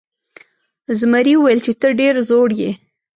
زمري وویل چې ته ډیر زړور یې.